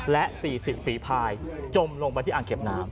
และ๔๐ฝีภายจมลงไปที่อ่างเก็บน้ำ